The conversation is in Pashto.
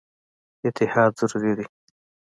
اتحاد ضروري دی.